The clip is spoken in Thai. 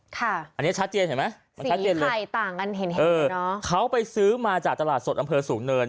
ค่ะอันนี้ชัดเจนเห็นไหมมันชัดเจนเลยไข่ต่างกันเห็นเห็นเนอะเขาไปซื้อมาจากตลาดสดอำเภอสูงเนิน